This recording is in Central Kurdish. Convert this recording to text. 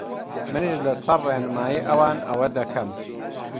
منیش لەسەر ڕێنمایی ئەوان ئەوە دەکەم